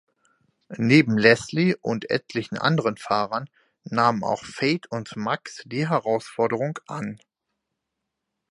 Neben Leslie und etlichen anderen Fahrern nehmen auch Fate und Max die Herausforderung an.